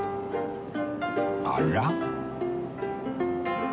あら？